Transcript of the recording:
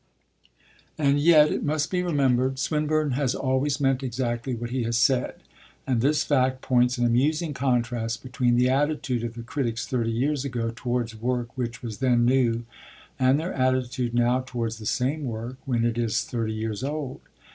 And yet, it must be remembered, Swinburne has always meant exactly what he has said, and this fact points an amusing contrast between the attitude of the critics thirty years ago towards work which was then new and their attitude now towards the same work when it is thirty years old.